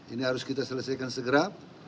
ini harus kita selesaikan segera